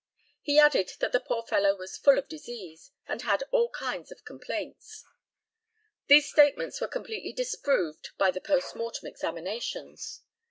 He added that the poor fellow was "full of disease," and had "all kinds of complaints." These statements were completely disproved by the post mortem examinations.